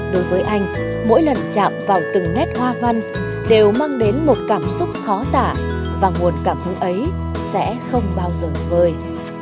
đối với anh mỗi lần chạm vào từng nét hoa văn đều mang đến một cảm xúc khó tả và nguồn cảm hứng ấy sẽ không bao giờ vơi